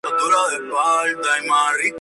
La documentación no fue fácil de obtener.